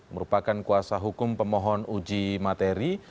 merupakan kuasa hukum pemohon uji materi